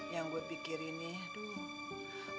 yang gua pikirin nih duh